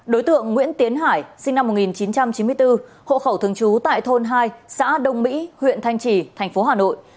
đối tượng nguyễn tiến hải sinh năm một nghìn chín trăm chín mươi bốn hộ khẩu thường trú tại thôn hai xã đông mỹ huyện thanh trì thành phố hà nội